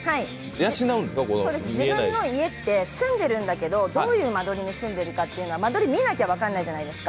そうです、自分の家って住んでるんだけど、どういう間取りに住んでいるかって、間取りを見なきゃ分からないじゃないですか。